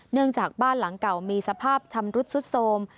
เนื่องจากบ้านหลังเก่ามีสภาพชำรุดสุดโทรม